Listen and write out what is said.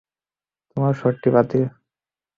তোমার সর্টি বাতিল।